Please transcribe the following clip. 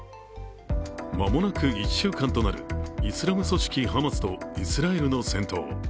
間もなく１週間となるイスラム組織ハマスとイスラエルの戦闘。